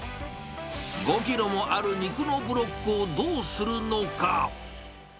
５キロもある肉のブロックをどうするのか。